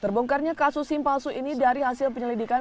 terbongkarnya kasus simpalsu ini dari hasil penyelidikan